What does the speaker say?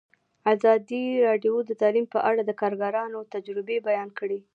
ازادي راډیو د تعلیم په اړه د کارګرانو تجربې بیان کړي.